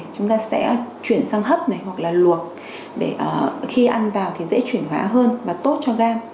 chúng ta sẽ chuyển sang hấp này hoặc là luộc để khi ăn vào thì dễ chuyển hóa hơn và tốt cho gam